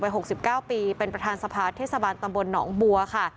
วัยหกสิบเก้าปีเป็นประธานสภาษณ์เทศบาลตำบลหนองบัวค่ะ